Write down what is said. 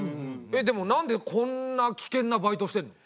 でもなんでこんな危険なバイトしてんの？